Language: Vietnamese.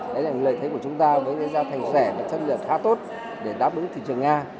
đấy là lợi thế của chúng ta với cái giá thành rẻ và chất lượng khá tốt để đáp ứng thị trường nga